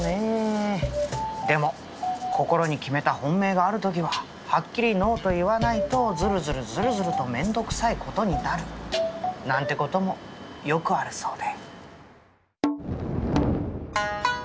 でも心に決めた本命がある時ははっきりノーと言わないとずるずるずるずるとめんどくさい事になる。なんて事もよくあるそうで。